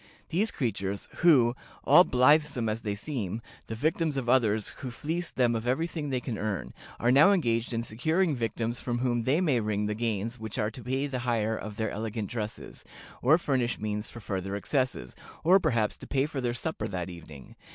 These creatures, who, all blithesome as they seem, the victims of others who fleece them of every thing they can earn, are now engaged in securing victims from whom they may wring the gains which are to pay the hire of their elegant dresses, or furnish means for further excesses, or perhaps to pay for their supper that evening.